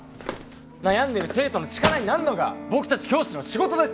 悩んでる生徒の力になるのが僕たち教師の仕事です！